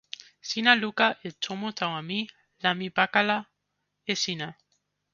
sina luka e tomo tawa mi la mi pakala e sina.